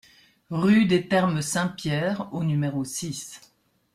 Rue des Thermes Saint-Pierre au numéro six